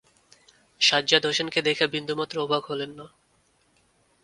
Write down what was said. সাজ্জাদ হোসেনকে দেখে বিন্দুমাত্র অবাক হলেন না।